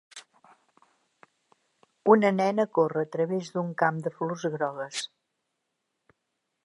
Una nena corre a través d'un camp de flors grogues.